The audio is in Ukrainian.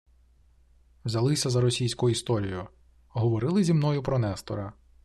«Взялися за Російську Історію; говорили зі мною про Нестора